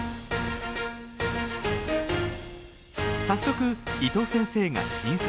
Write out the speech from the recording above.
早速伊藤先生が診察。